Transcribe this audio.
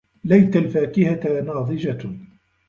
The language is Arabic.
لَيْتَ الْفَاكِهَةَ نَاضِجَةٌ.